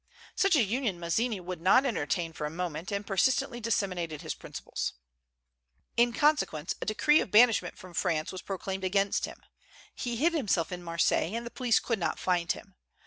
Such a union Mazzini would not entertain for a moment, and persistently disseminated his principles. In consequence, a decree of banishment from France was proclaimed against him. He hid himself in Marseilles, and the police could not find him.